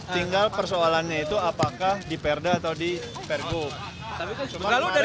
tinggal persoalannya itu apakah diperda atau diperguk